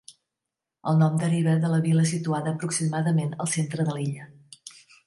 El nom deriva de la vila situada aproximadament al centre de l'illa.